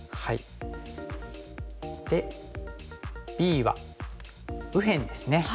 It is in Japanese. そしてＢは右辺ですね。